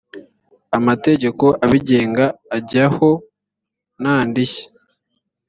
amategeko abigenga ajyaho nta ndishyi